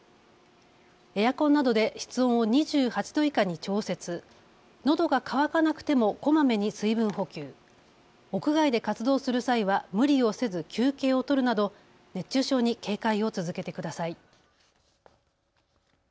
エアコンなどで室温を２８度以下に調節、のどが渇かなくてもこまめに水分補給、屋外で活動する際は無理をせず休憩を取るなど熱中症に警戒を続けてください。